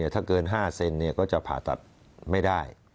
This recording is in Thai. ถ้าเกิน๕เซนก็จะผ่าตัดไม่ได้